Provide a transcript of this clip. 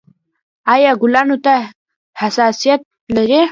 ایا ګلانو ته حساسیت لرئ؟